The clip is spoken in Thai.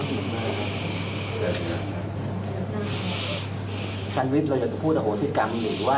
สัญลิปสินวิชฟร์จะปูดเอาซิคกรัมไอ้หนู